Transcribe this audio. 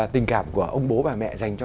tình cảm của ông bố bà mẹ dành cho